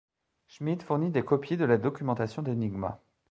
Schmidt fournit des copies de la documentation d'Enigma.